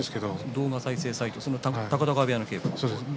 動画再生サイト高田川部屋の稽古ですか？